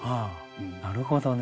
なるほどね。